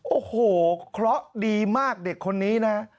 โอ้โหเคราะห์ดีมากเด็กคนนี้นะ